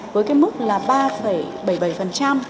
với mức ba bảy mươi bảy